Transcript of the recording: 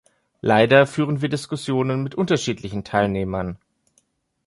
Leider führen wir Diskussionen mit unterschiedlichen Teilnehmern.